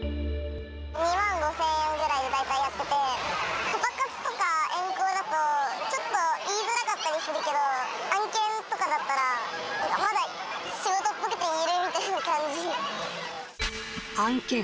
２万５０００円ぐらいで大体やってて、パパ活とか援交だと、ちょっと言いづらかったりするけど、案件とかだったら、まだ仕事案件。